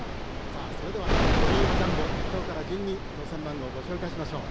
それではドリームジャンボ１等から順に当せん番号をご紹介しましょう。